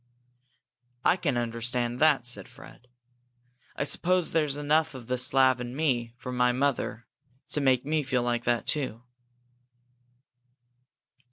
"I can understand that," said Fred. "I suppose there's enough of the Slav in me, from my mother, to make me feel like that, too."